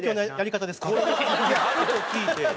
いやあると聞いて。